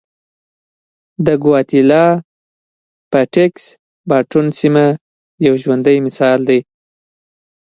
د ګواتیلا پټېکس باټون سیمه یو ژوندی مثال دی.